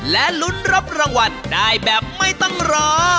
และลุ้นรับรางวัลได้แบบไม่ต้องรอ